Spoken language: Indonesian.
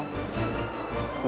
gak ada bantuan